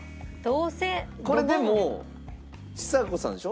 これでもちさ子さんでしょ？